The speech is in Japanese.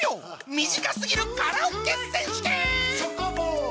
短すぎるカラオケ選手権。